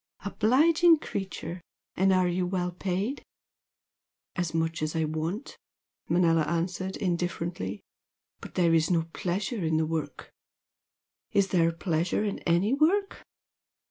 "Obliging creature! And are you well paid?" "As much as I want" Manella answered, indifferently. "But there is no pleasure in the work." "Is there pleasure in ANY work?"